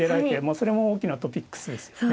それも大きなトピックスですよね。